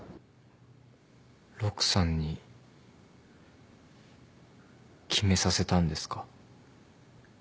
陸さんに決めさせたんですか？